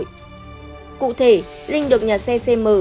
cụ thể linh được nhà xe cm